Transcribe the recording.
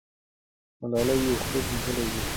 ملالۍ یو خوب لیدلی وو.